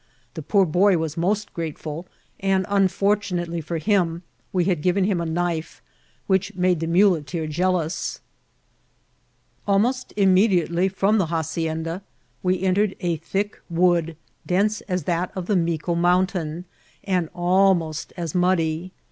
The poor boy was most grateful, and, unfortu nately for him, we had given him a knife, which made the muleteer jealous. Almost immediately from the hacienda we entered a thick wood, dense as that of the Mico Mountain, and almost as muddy.